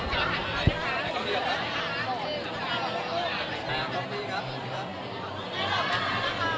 หัวเท้าสว่างเมืองก็แบบมะกรัมมะกรัม